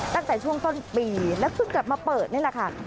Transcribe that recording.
ตั้งแต่ช่วงต้นปีแล้วเพิ่งกลับมาเปิดนี่แหละค่ะ